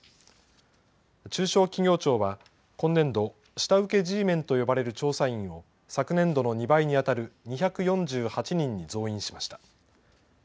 中小企業庁は今年度、下請けＧメンと呼ばれる調査員を昨年度の２倍にあたる２４８人に増員しました。